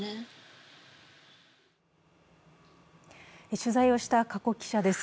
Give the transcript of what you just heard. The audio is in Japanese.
取材をした加古記者です。